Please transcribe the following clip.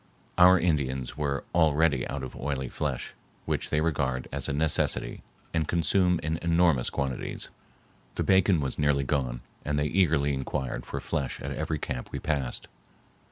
Our Indians were already out of oily flesh, which they regard as a necessity and consume in enormous quantities. The bacon was nearly gone and they eagerly inquired for flesh at every camp we passed.